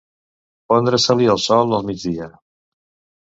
Pondre-se-li el sol al migdia.